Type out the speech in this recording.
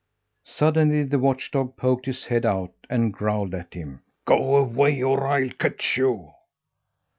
Suddenly the watch dog poked his head out and growled at him: "Go away, or I'll catch you!"